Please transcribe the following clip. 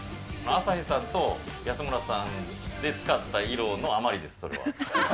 朝日さんと安村さんで使った色のあまりです、それは。